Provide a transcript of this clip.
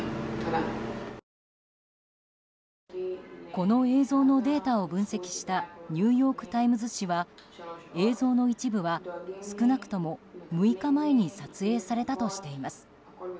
この映像のデータを分析したニューヨーク・タイムズ紙は映像の一部は少なくとも６日前に撮影されたとしています。